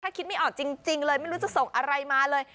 ถ้าคิดไม่ออกจริงเลยไม่รู้จะส่งอะไรมาเลย